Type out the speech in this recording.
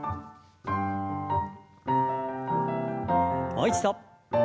もう一度。